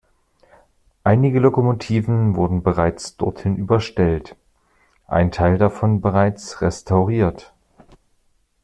Einige Lokomotiven wurden bereits dorthin überstellt, ein Teil davon bereits restauriert.